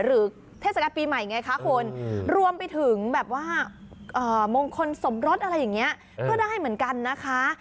เทศกาลปีใหม่ไงคะคุณรวมไปถึงแบบว่ามงคลสมรสอะไรอย่างนี้ก็ได้เหมือนกันนะคะ